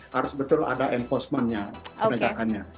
harus betul ada enforcement nya penegakannya